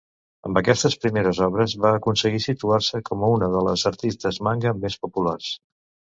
Amb aquestes primeres obres, va aconseguir situar-se com una de les artistes manga més populars.